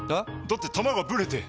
だって球がブレて！